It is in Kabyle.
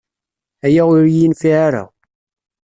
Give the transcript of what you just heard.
Aya ur iyi-yenfiɛ ara.